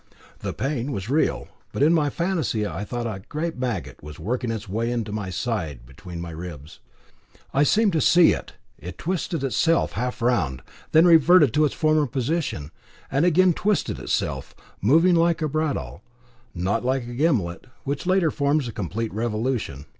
The pain was real; but in my fancy I thought that a great maggot was working its way into my side between my ribs. I seemed to see it. It twisted itself half round, then reverted to its former position, and again twisted itself, moving like a bradawl, not like a gimlet, which latter forms a complete revolution.